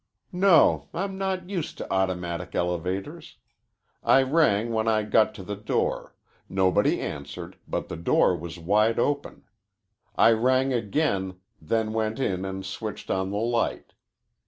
"No. I'm not used to automatic elevators. I rang when I got to the door. Nobody answered, but the door was wide open. I rang again, then went in and switched on the light.